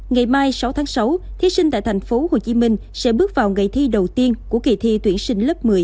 ngày mai sáu tháng sáu thí sinh tại tp hcm sẽ bước vào ngày thi đầu tiên của kỳ thi tuyển sinh lớp một mươi